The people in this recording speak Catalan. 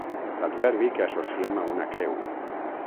L'adverbi que associem a una creu.